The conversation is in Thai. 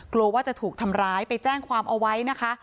กลัวว่าจะถูกทำร้ายไปแจ้งความเอาไว้นะคะ